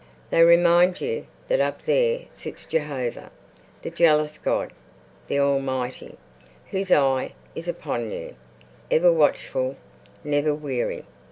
They remind you that up there sits Jehovah, the jealous God, the Almighty, Whose eye is upon you, ever watchful, never weary.